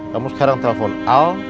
kamu sekarang telpon al